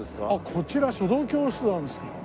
こちら書道教室なんですか。